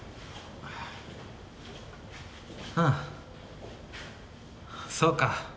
ああそうか。